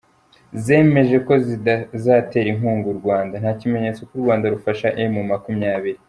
zemeje ko zizatera inkunga u Rwanda; nta kimenyetso ko u Rwanda rufasha emu makumyabiri